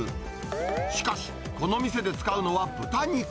しかし、この店で使うのは豚肉。